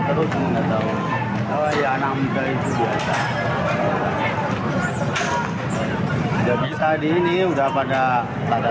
pak ini harapannya apa di makanya